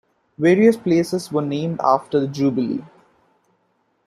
Various places were named after the Jubilee.